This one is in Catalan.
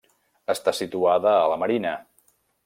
Està situada a la marina.